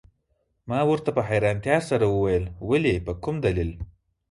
ما ورته په حیرانتیا سره وویل: ولي، په کوم دلیل؟